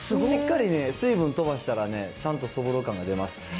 しっかり水分飛ばしたら、ちゃんと、そぼろ感が出ます。